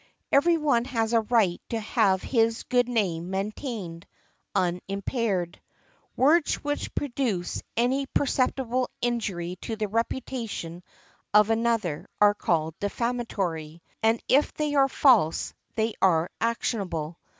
Every one has a right to have his good name maintained, unimpaired. Words which produce any perceptible injury to the reputation of another are called defamatory: and if they are false they are actionable.